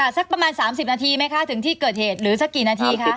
สักประมาณ๓๐นาทีไหมคะถึงที่เกิดเหตุหรือสักกี่นาทีคะ